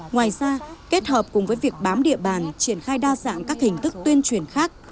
ngoài ra kết hợp cùng với việc bám địa bàn triển khai đa dạng các hình thức tuyên truyền khác